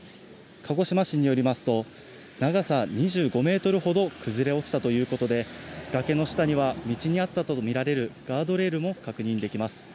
鹿児島市によりますと、長さ２５メートルほど崩れ落ちたということで、崖の下には、道にあったと見られるガードレールも確認できます。